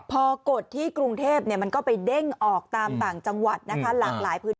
พอกดที่กรุงเทพมันก็ไปเด้งออกตามต่างจังหวัดนะคะหลากหลายพื้นที่